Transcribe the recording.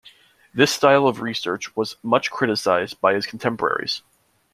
This style of research was much criticized by his contemporaries.